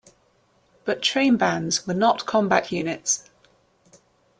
But trainbands were not combat units.